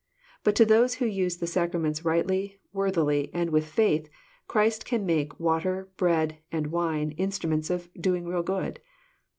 But to those who use the sacraments rightly, worthily, and with faith, Christ can make water, bread, and wine, instruments of doing real good.